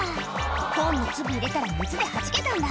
コーンの粒入れたら、水ではじけたんだ。